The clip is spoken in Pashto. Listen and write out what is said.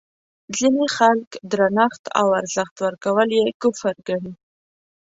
ځینې خلک درنښت او ارزښت ورکول یې کفر ګڼي.